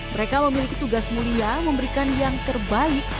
mereka memiliki tugas mulia memberikan yang terbaik